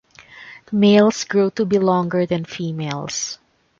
Males grow to be longer than females.